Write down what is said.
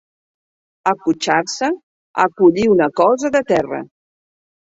Acotxar-se a collir una cosa de terra.